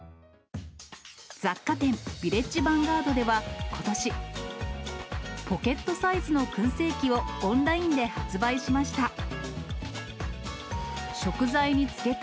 雑貨店、ヴィレッジヴァンガードではことし、ポケットサイズのくん製器をオンラインで発売しました。